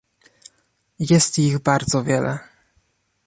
Jest ich bardzo wiele